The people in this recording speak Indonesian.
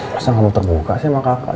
masa gak mau terbuka sih sama kakak